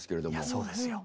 そうですよ。